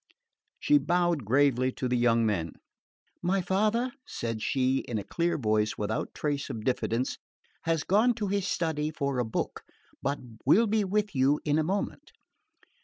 She bowed gravely to the young men. "My father," said she, in a clear voice without trace of diffidence, "has gone to his study for a book, but will be with you in a moment."